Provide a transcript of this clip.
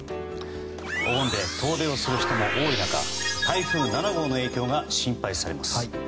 お盆で遠出をする人も多い中台風７号の影響が心配されます。